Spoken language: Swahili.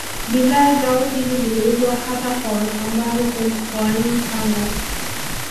Bidhaa zao hizi ziliuzwa hata kwa Wasambaa huko mkoani Tanga